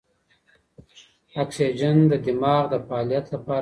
اکسیجن د دماغ د فعالیت لپاره مهم دی.